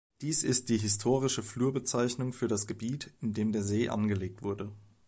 Dies ist die historische Flurbezeichnung für das Gebiet, in dem der See angelegt wurde.